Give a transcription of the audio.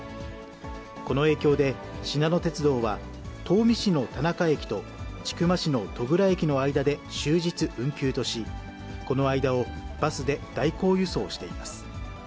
この影響で、しなの鉄道は、東御市の田中駅と千曲市の戸倉駅の間で終日運休とし、この間をバスで代行輸送しています。